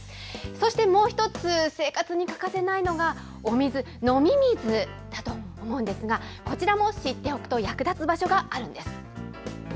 そしてもう一つ、生活に欠かせないのがお水、飲み水だと思うんですが、こちらも知っておくと役立つ場所があるんです。